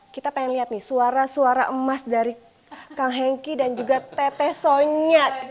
kita pengen lihat nih suara suara emas dari kang hengki dan juga tete sonyat